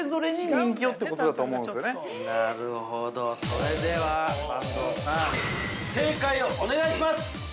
それでは阪東さん、正解をお願いします！